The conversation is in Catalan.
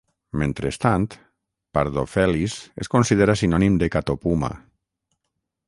Mentrestant, "Pardofelis" es considera sinònim de "Catopuma".